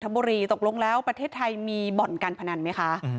บุรีตกลงแล้วประเทศไทยมีบ่อนการพนันไหมคะ